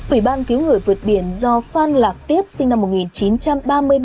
ủy ban cứu người vượt biển do phan lạc tiếp sinh năm một nghìn chín trăm ba mươi ba